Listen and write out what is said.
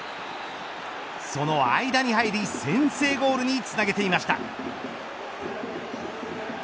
その間に入り先制ゴールにつなげていました。